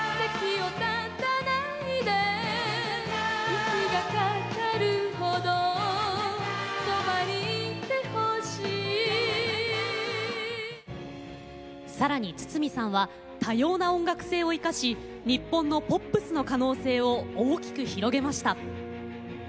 「息がかかるほどそばにいてほしい」さらに筒美さんは多様な音楽性を生かし日本のポップスの可能性を大きく広げました。